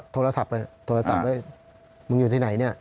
โทรศัพท์มึงอยู่ที่ไหนเนี่ย